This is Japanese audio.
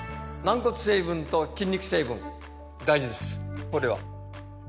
軟骨成分と筋肉成分大事です